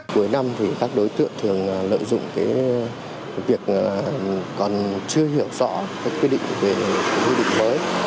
cuối năm các đối tượng thường lợi dụng việc còn chưa hiểu rõ quy định về nghị định mới